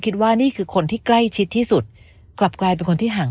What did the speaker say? นี่คือคนที่ใกล้ชิดที่สุดกลับกลายเป็นคนที่ห่าง